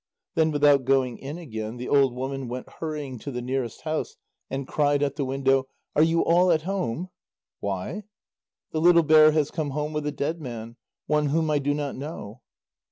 Then without going in again, the old woman went hurrying to the nearest house, and cried at the window: "Are you all at home?" "Why?" "The little bear has come home with a dead man, one whom I do not know."